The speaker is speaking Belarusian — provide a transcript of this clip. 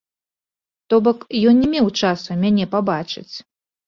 То бок, ён не меў часу мяне пабачыць.